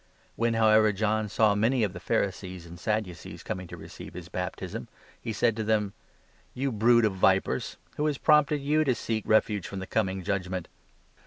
When, however, John saw many of the Pharisees and 7 Sadducees coming to receive his baptism, he said to them : "You brood of vipers! Who has prompted you to seek refuge from the coming judgement?